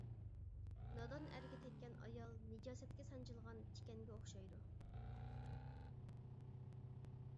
نادان ئەرگە تەككەن ئايال نىجاسەتكە سانجىلغان تىكەنگە ئوخشايدۇ.